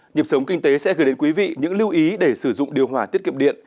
nhịp sống kinh tế sẽ gửi đến quý vị những lưu ý để sử dụng điều hòa tiết kiệm điện